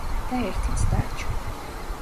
და ერთიც დარჩა.